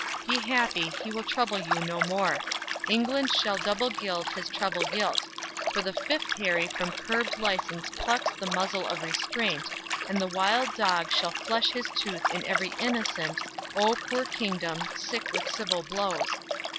Be happy, he will trouble you no more; England shall double gild his treble guilt; For the Fifth Harry from curbed license plucks The muzzle of restraint, and the wild dog Shall flesh his tooth in every innocent. O, poor Kingdom, sick with civil blows!